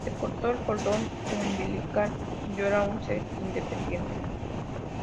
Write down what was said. Se cortó el cordón umbilical; yo era un ser independiente.